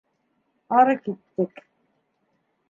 Ары киттек.